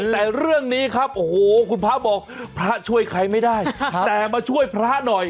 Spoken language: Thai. แต่เรื่องนี้ครับโอ้โหคุณพระบอกพระช่วยใครไม่ได้แต่มาช่วยพระหน่อย